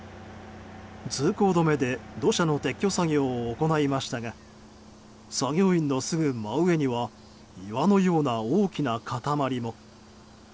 通行止めで土砂の撤去作業を行いましたが作業員のすぐ真上には岩のような大きな塊も。